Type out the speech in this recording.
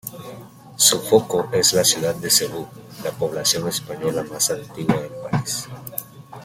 Su foco es la ciudad de Cebú, la población española más antigua del país.